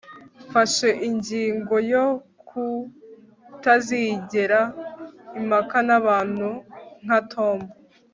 mfashe ingingo yo kutazigera impaka nabantu nka tom